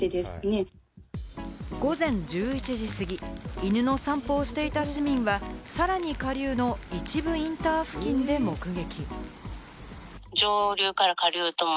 午前１１時過ぎ、犬の散歩をしていた市民は、さらに下流の壱分インター付近でも目撃。